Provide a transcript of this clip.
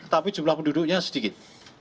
tapi jumlah penduduknya sedikit